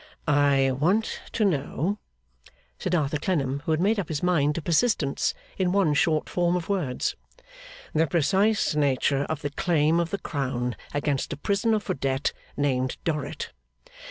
'I want to know,' said Arthur Clennam, who had made up his mind to persistence in one short form of words, 'the precise nature of the claim of the Crown against a prisoner for debt, named Dorrit.